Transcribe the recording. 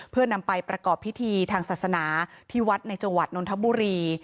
เพื่อนำไปประกอบพิธีทางศาสนาที่วัดในจังหวัดนนทบุรี